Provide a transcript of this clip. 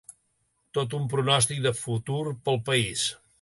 Tot un pronòstic del futur del país.